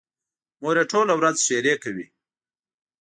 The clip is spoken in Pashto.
مور یې ټوله ورځ ښېرې کوي.